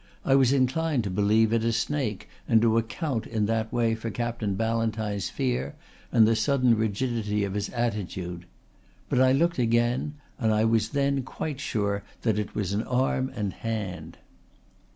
I was inclined to believe it a snake and to account in that way for Captain Ballantyne's fear and the sudden rigidity of his attitude. But I looked again and I was then quite sure that it was an arm and hand."